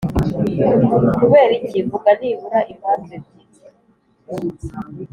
Kubera iki? Vuga nibura impamvu ebyiri.